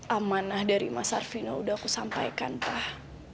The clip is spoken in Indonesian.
amanah dari mas arfina udah aku sampaikan pak